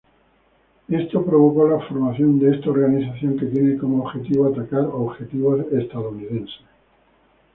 Esto provocó la formación de esta organización, que tiene como objetivo atacar objetivos estadounidenses.